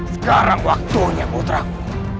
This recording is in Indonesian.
sekarang waktunya putraku